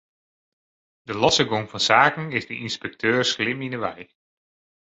De losse gong fan saken is de ynspekteur slim yn 'e wei.